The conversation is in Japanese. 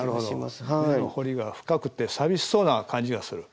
彫りが深くて寂しそうな感じがする。